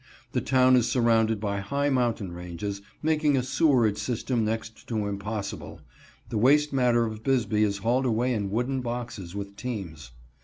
The town is surrounded by high mountain ranges, making a sewerage system next to impossible. The waste matter of Bisbee is hauled away in wooden boxes with teams.